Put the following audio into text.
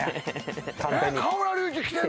河村隆一来てるの？